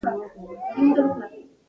بدي به په نړۍ کې پراخه شي.